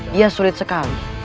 dia sulit sekali